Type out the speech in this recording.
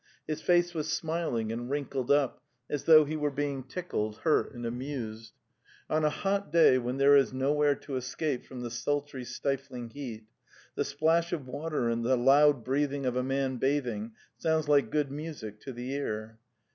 His face was smiling and wrinkled up as though he were being tickled, hurt and amused. On a hot day when there is nowhere to escape from the sultry, stifling heat, the splash of water and the loud breathing of a man bathing sounds like good music to the ear.